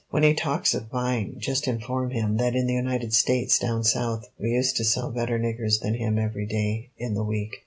When he talks of buying, just inform him that in the States down South we used to sell better niggers than him every day in the week."